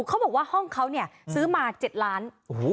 เขาบอกว่าห้องเขาเนี่ยซื้อมาเจ็ดล้านโอ้โห